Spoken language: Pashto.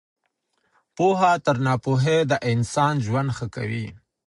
پوهه تر ناپوهۍ د انسان ژوند ښه کوي.